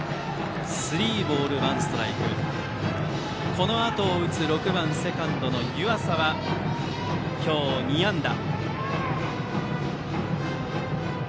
このあとを打つ６番セカンドの湯浅は今日２安打。